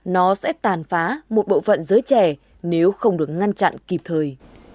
nó sẽ tàn phá một bộ phận giới trẻ nếu không được ngăn chặn kịp thời